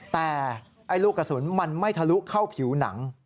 แต่ไอ้ลูกกระสุนมันไม่ทะลุเข้าผิวหนัง